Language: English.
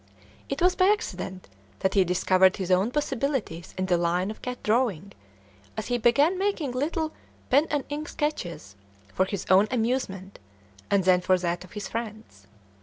It was by accident that he discovered his own possibilities in the line of cat drawing, as he began making little pen and ink sketches for his own amusement and then for that of his friends.